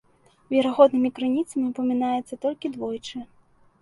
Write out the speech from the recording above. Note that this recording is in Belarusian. Верагоднымі крыніцамі ўпамінаецца толькі двойчы.